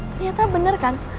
ternyata bener kan